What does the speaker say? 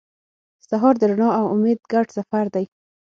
سهار د رڼا او امید ګډ سفر دی.